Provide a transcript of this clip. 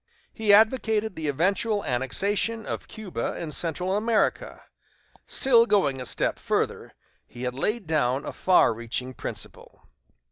He advocated the eventual annexation of Cuba and Central America. Still going a step further, he laid down a far reaching principle.